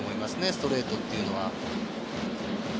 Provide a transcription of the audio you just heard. ストレートっていうのは。